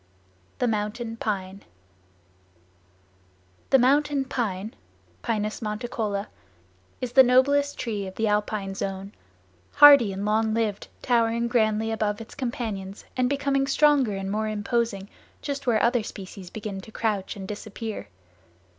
The Mountain Pine The Mountain Pine (Pinus monticola) is the noblest tree of the alpine zone—hardy and long lived towering grandly above its companions and becoming stronger and more imposing just where other species begin to crouch and disappear.